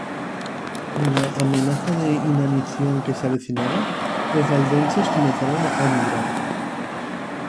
Con la amenaza de inanición que se avecinaba, los valdenses comenzaron a emigrar.